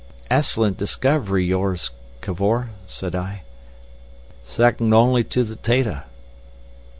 "Ess'lent discov'ry yours, Cavor," said I. "Se'nd on'y to the 'tato."